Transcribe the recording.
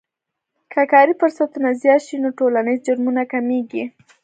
که کاري فرصتونه زیات شي نو ټولنیز جرمونه کمیږي.